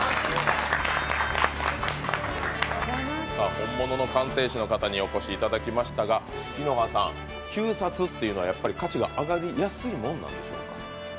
本物の鑑定士の方にお越しいただきましたが、旧札というのはやっぱり価値が上がりやすいものなんでしょうか。